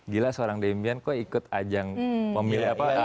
gila seorang demian kok ikut ajang pemilih apa